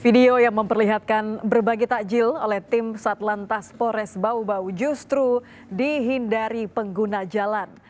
video yang memperlihatkan berbagi takjil oleh tim satlantas pores bau bau justru dihindari pengguna jalan